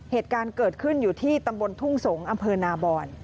เหตุการณ์เกิดขึ้นอยู่ที่ตำบลทุ่งสงศ์อำเภอนาบอน